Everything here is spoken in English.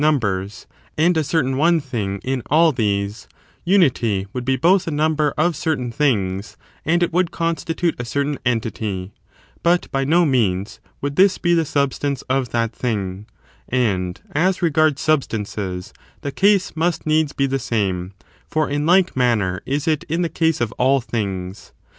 259 numbers, and a certain one thing in all these, unity would be both a number of certain things, and it would constitute a certain entity ;^ but by no means would this be the snl> stance of that thing: and as regards substances the case must needs be the same ; for in like manner is it in the case of all things.